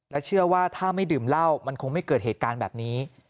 เชื่อว่าถ้าไม่ดื่มเหล้ามันคงไม่เกิดเหตุการณ์แบบนี้